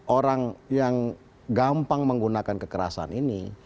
orang yang gampang menggunakan kekerasan ini